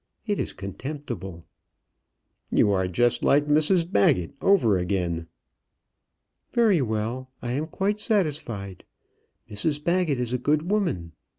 It is contemptible." "You are just Mrs Baggett over again." "Very well; I am quite satisfied. Mrs Baggett is a good woman.